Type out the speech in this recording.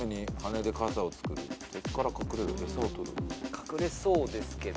隠れそうですけど。